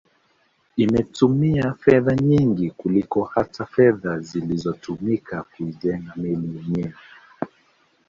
Imetumia fedha nyingi kuliko hata fedha zilizotumika kuijenga meli yenyewe